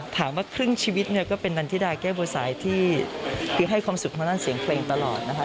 ถามว่าครึ่งชีวิตเนี่ยก็เป็นนันทิดาแก้บัวสายที่คือให้ความสุขทางด้านเสียงเพลงตลอดนะคะ